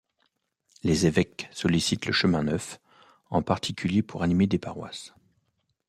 Les évêques sollicitent le Chemin Neuf en particulier pour animer des paroisses.